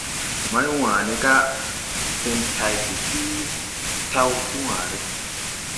Mày- wane gà fen tay ge ti taw ti ware.